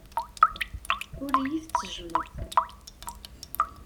Ur iyi-tettejjmeḍ.